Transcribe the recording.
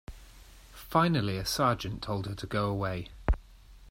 Finally a sergeant told her to go away.